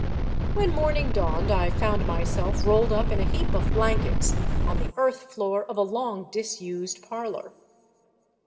When morning dawned I found myself rolled up in a heap of blan kets on the earth floor of a long disused parlor.